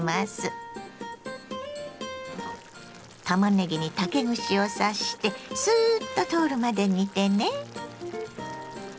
たまねぎに竹串を刺してスーッと通るまで煮てね。